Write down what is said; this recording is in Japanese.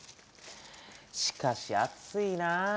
しかし暑いなぁ。